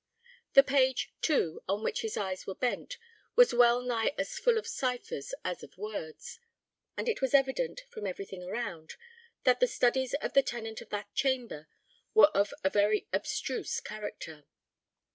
The page, too, on which his eyes were bent, was well nigh as full of ciphers as of words, and it was evident, from everything around, that the studies of the tenant of that chamber were of a very abstruse character.